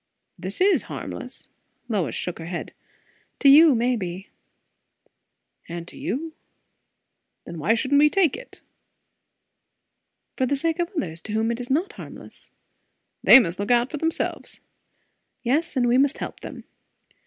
"This is harmless!" Lois shook her head. "To you, maybe." "And to you. Then why shouldn't we take it?" "For the sake of others, to whom it is not harmless." "They must look out for themselves." "Yes, and we must help them."